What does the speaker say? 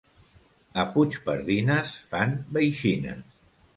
A Puigpardines fan veixines.